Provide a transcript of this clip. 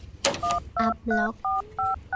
อัปบล็อก